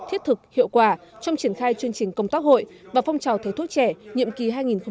thiết thực hiệu quả trong triển khai chương trình công tác hội và phong trào thầy thuốc trẻ nhiệm kỳ hai nghìn một mươi chín hai nghìn hai mươi năm